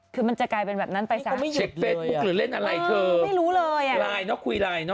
คือมันจะกลายเป็นแบบนั้นไปเช็คเฟซบุ๊คหรือเล่นอะไรเธอไม่รู้เลยอ่ะไลน์เนอะคุยไลน์เนอ